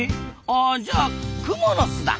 あじゃあクモの巣だ！